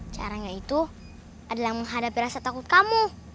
caranya itu adalah menghadapi rasa takut kamu